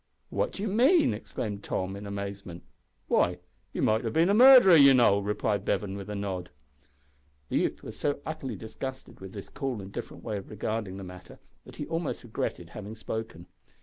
"What do you mean?" exclaimed Tom, in amazement. "Why, you might have bin a murderer, you know," replied Bevan, with a nod. The youth was so utterly disgusted with this cool, indifferent way of regarding the matter, that he almost regretted having spoken.